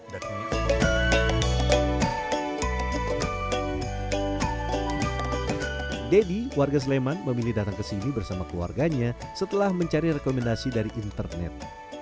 deddy warga sleman memilih datang ke sini bersama keluarganya setelah mencari rekomendasi dari internet